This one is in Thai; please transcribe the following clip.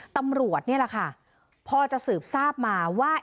ตำรวจนี่แหละค่ะพอจะสืบทราบมาว่า